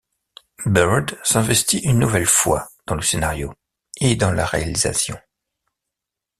Bird s'investit une nouvelle fois dans le scénario et dans la réalisation.